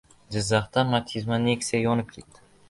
Jizzaxda “Matiz” va “Nexia” yonib ketdi